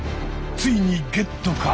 ついにゲットか！？